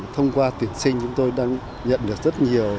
thông qua tuyển sinh chúng tôi đang nhận được rất nhiều